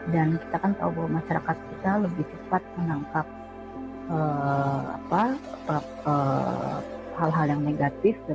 dan kita kan tahu bahwa masyarakat kita lebih cepat menangkap hal hal yang negatif